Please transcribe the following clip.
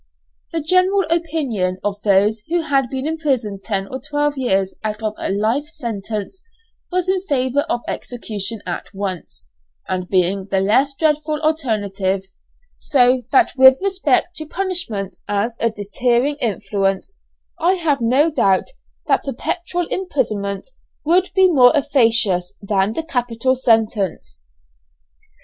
The general opinion of those who had been in prison ten or twelve years out of a 'life' sentence was in favour of execution at once, as being the less dreadful alternative, so that with respect to punishment as a deterring influence, I have no doubt that perpetual imprisonment would be more efficacious than the capital sentence.